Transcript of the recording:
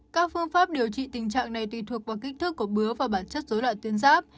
các phương pháp điều trị tình trạng này tùy thuộc vào kích thước của bướu và bản chất dối loại tuyến giáp